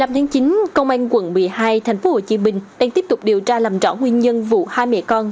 một mươi tháng chín công an quận một mươi hai tp hcm đang tiếp tục điều tra làm rõ nguyên nhân vụ hai mẹ con